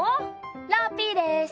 ラッピーです。